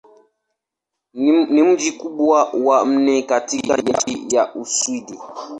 Ni mji mkubwa wa nne katika nchi wa Uswidi.